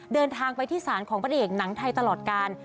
เดินทางไปที่ศาลของพระเอกหนังไทยตลอดกาล